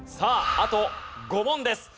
あと５問で２人。